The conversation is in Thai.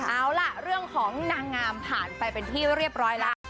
เอาล่ะเรื่องของนางงามผ่านไปเป็นที่เรียบร้อยแล้ว